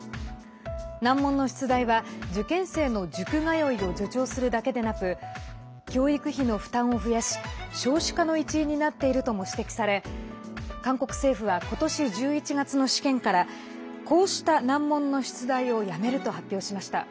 難問の出題は受験生の塾通いを助長するだけでなく教育費の負担を増やし少子化の一因になっているとも指摘され韓国政府は今年１１月の試験からこうした難問の出題をやめると発表しました。